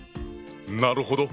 なるほど！